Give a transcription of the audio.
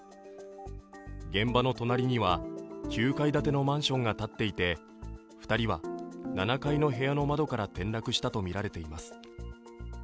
現場の隣には９階建てのマンションが建っていて２人は、７階の部屋の窓から転落したとみられています。